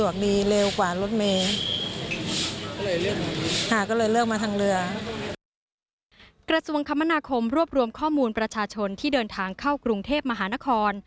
กระทรวงคมนาคมรวบรวมข้อมูลประชาชนที่เดินทางเข้ากรุงเทพมหานคร